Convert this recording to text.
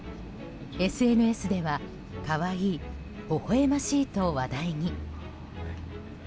ＳＮＳでは可愛い、ほほえましいと話題に。